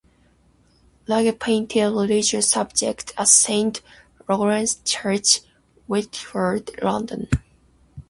Laguerre painted religious subjects at Saint Lawrence's Church, Whitchurch, London.